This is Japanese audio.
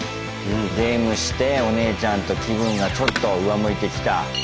ゲームしてお姉ちゃんと気分がちょっと上向いてきた。